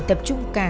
tập trung cả